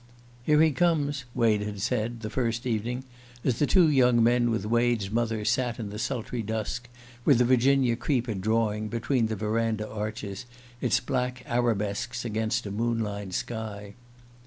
"Here he comes!" Wade had said, the first evening, as the two young men, with Wade's mother sat in the sultry dusk, with the Virginian creeper drawing, between the verandah arches, its black arabesques against a moon lined sky.